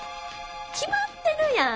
決まってるやん。